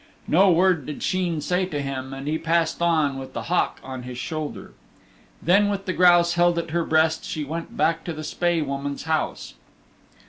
No word did Sheen say to him and he passed on with the hawk on his shoulder. Then with the grouse held at her breast she went back to the Spae Woman's house.